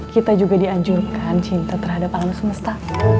kita juga dianjurkan cinta terhadap alam semesta